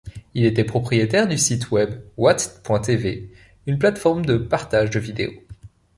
Il était propriétaire du site web Wat.tv, une plateforme de partage de vidéos.